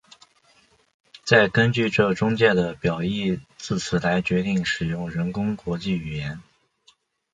再根据这中介的表义字词来决定使用人工国际语言。